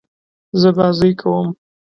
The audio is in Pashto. زه بازۍ کوم.